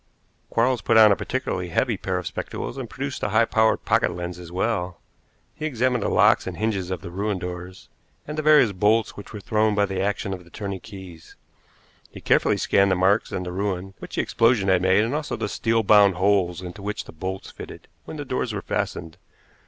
Quarles put on a particularly heavy pair of spectacles and produced a high power pocket lens as well. He examined the locks and hinges of the ruined doors, and the various bolts which were thrown by the action of the turning keys. He carefully scanned the marks and the ruin which the explosion had made, and also the steel bound holes into which the bolts fitted when the doors were fastened.